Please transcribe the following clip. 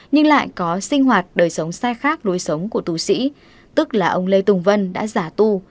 nhưng lại có sinh hoạt đời sống sai khác đối sống của tù sĩ tức là ông lê tùng vân đã giả tu